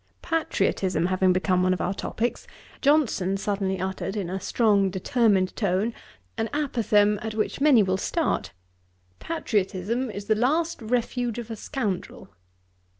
Patriotism having become one of our topicks, Johnson suddenly uttered, in a strong determined tone, an apophthegm, at which many will start: 'Patriotism is the last refuge of a scoundrel.'